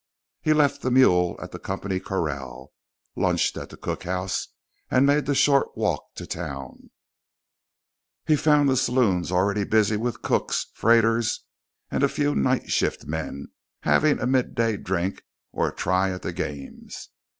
He left the mule at the company corral, lunched at the cookhouse, and made the short walk to town. He found the saloons already busy with cooks, freighters, and a few night shift men having a midday drink or a try at the games.